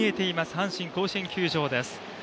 阪神甲子園球場です。